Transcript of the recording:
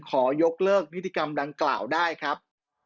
ขอยกเลิกนิติกรรมดังกล่าวได้ครับ